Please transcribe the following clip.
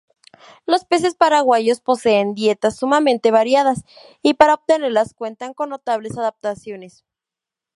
Los peces paraguayos poseen dietas sumamente variadas, y para obtenerlas cuentan con notables adaptaciones.